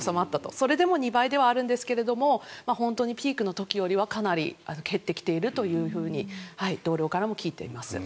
それでも２倍ではあるんですけれども本当にピークの時よりはかなり減ってきていると同僚からも聞いています。